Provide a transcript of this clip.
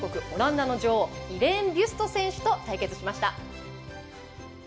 オランダの女王イレーン・ビュスト選手と対決しました。